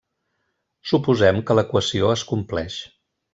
Suposem que l'equació es compleix.